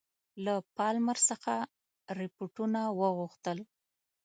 له پالمر څخه رپوټونه وغوښتل.